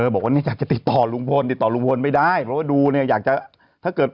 บอกว่าเนี่ยอยากจะติดต่อลุงพลติดต่อลุงพลไม่ได้